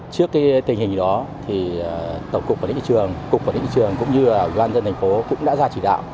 trước tình hình đó tổng cục và lĩnh trường cục và lĩnh trường cũng như doanh dân thành phố cũng đã ra chỉ đạo